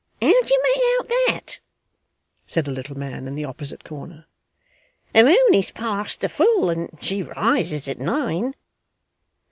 'How do you make out that?' said a little man in the opposite corner. 'The moon is past the full, and she rises at nine.